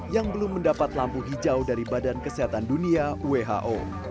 yang belum mendapat lampu hijau dari badan kesehatan dunia who